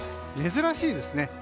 珍しいですね。